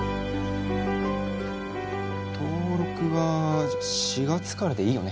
登録は４月からでいいよね。